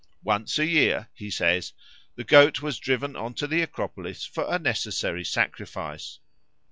Once a year, he says, the goat was driven on to the Acropolis for a necessary sacrifice.